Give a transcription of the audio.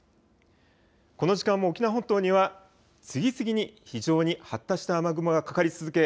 この時間も沖縄本島には次々に非常に発達した雨雲がかかり続け